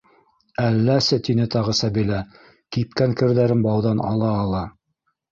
Әлләсе, - тине тағы Сәбилә, кипкән керҙәрен бауҙан ала-ала.